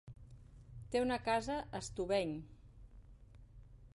Té una casa a Estubeny.